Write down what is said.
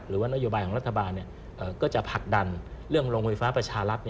หรือว่านโยบายของรัฐบาลก็จะผลักดันเรื่องโรงไฟฟ้าประชารัฐ